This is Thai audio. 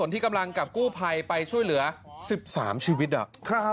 ที่กำลังกับกู้ภัยไปช่วยเหลือ๑๓ชีวิต